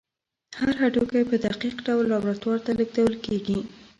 هر هډوکی په دقیق ډول لابراتوار ته لیږدول کېږي.